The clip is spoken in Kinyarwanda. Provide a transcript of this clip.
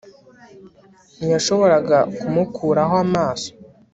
ntiyashoboraga kumukuraho amaso